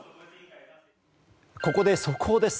ここで、速報です。